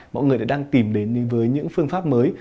mọi người lại đang tìm đến với những phương pháp mới